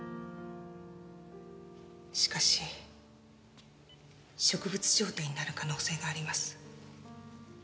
しかし植物状態になる可能性があります。